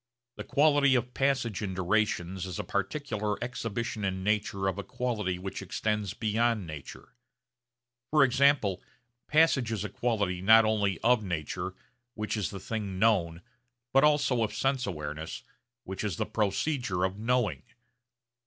The quality of passage in durations is a particular exhibition in nature of a quality which extends beyond nature. For example passage is a quality not only of nature, which is the thing known, but also of sense awareness which is the procedure of knowing.